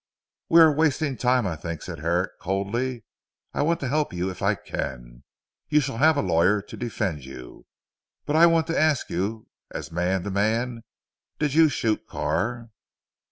"We are wasting time I think," said Herrick coldly, "I want to help you if I can. You shall have a lawyer, to defend you. But I want to ask you as man to man: Did you shoot Carr?"